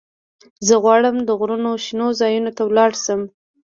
زه غواړم د غرونو شنو ځايونو ته ولاړ شم.